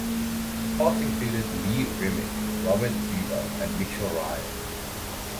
The cast included Lee Remick, Robert Duvall and Mitchell Ryan.